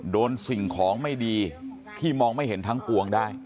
สิ่งของไม่ดีที่มองไม่เห็นทั้งปวงได้